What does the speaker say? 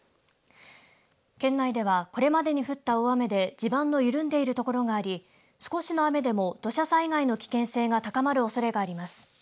県内ではこれまでに降った大雨で地盤の緩んでいるところがあり少しの雨でも土砂災害の危険性が高まるおそれがあります。